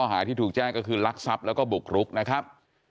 ข้อหาที่ถูกแจ้งก็คือรักษัพและก็บุกรุกนะครับ